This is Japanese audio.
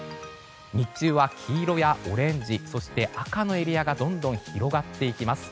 日中は黄色やオレンジ赤のエリアがどんどん広がっていきます。